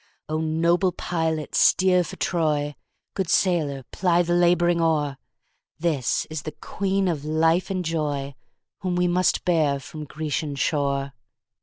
O noble pilot steer for Troy, Good sailor ply the labouring oar, This is the Queen of life and joyWhom we must bear from Grecian shore!